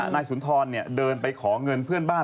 นายสุนทรเดินไปขอเงินเพื่อนบ้าน